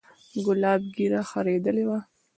ګلاب ږيره خرييلې وه.